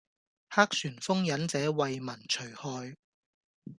黑旋風忍者為民除害